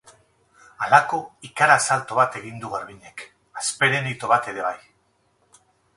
Halako ikara-salto bat egin du Garbiñek, hasperen ito bat ere bai.